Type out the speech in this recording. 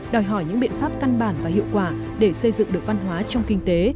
đòi hỏi những biện pháp căn bản và hiệu quả để xây dựng được văn hóa trong kinh tế